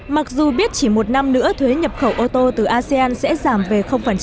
mặc dù biết chỉ một năm nữa thuế nhập khẩu ô tô từ asean sẽ giảm về